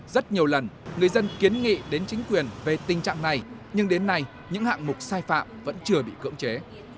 rất nhiều lần người dân kiến nghị đến chính quyền về tình trạng này nhưng đến nay những hạng mục sai phạm vẫn chưa bị cưỡng chế